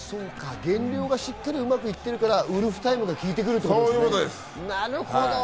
減量がしっかりうまくいってるから、ウルフタイムが効いてくるってことですね、なるほど。